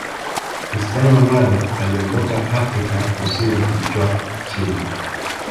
cristiano ronaldo aliondoka afrika kusini kichwa chini